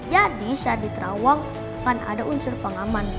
jadi saat di terawang kan ada unsur pengaman